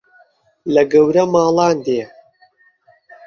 لە گەورە ماڵان دێ